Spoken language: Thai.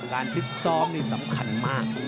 การพิสร้อมนี่สำคัญมาก